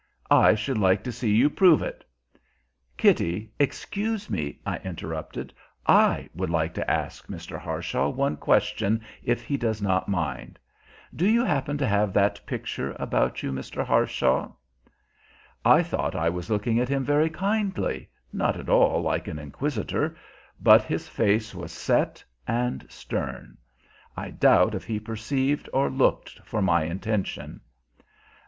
"I should like to see you prove it!" "Kitty, excuse me," I interrupted. "I should like to ask Mr. Harshaw one question, if he does not mind. Do you happen to have that picture about you, Mr. Harshaw?" I thought I was looking at him very kindly, not at all like an inquisitor, but his face was set and stern. I doubt if he perceived or looked for my intention.